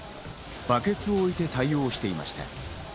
バケツを置いて対応していました。